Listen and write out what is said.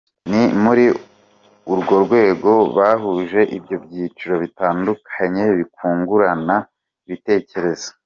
Ni muri urwo rwego bahuje ibyo byiciro bitandukanye bikungurana ibitekerezo.